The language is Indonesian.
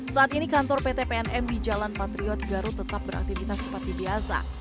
saat ini kantor pt pnm di jalan patriot garut tetap beraktivitas seperti biasa